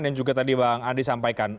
dan juga tadi bang andi sampaikan